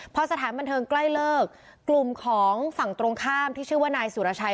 พอสถานบันเทิงใกล้เลิกกลุ่มของฝั่งตรงข้ามที่ชื่อว่านายสุรชัย